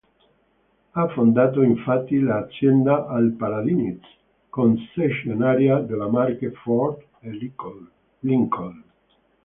Ha fondato infatti l'azienda "Al Palladini's", concessionaria della marche Ford e Lincoln.